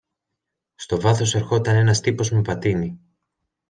Στο βάθος ερχόταν ένας τύπος με πατίνι